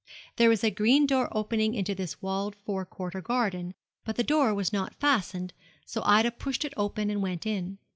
There was a green door opening into this walled forecourt or garden, but the door was not fastened, so Ida pushed it open and went in.